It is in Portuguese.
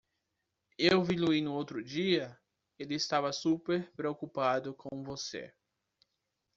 Eu vi Louis no outro dia? ele estava super preocupado com você.